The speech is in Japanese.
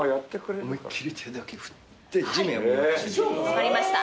分かりました。